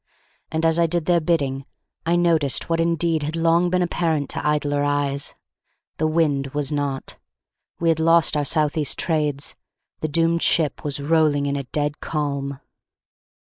And as I did their bidding I noticed what indeed had long been apparent to idler eyes: the wind was not; we had lost our southeast trades; the doomed ship was rolling in a dead calm.